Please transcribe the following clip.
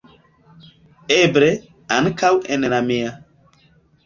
Eble, ankaŭ en la mia.